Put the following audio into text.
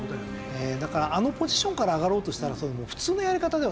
だからあのポジションから上がろうとしたら。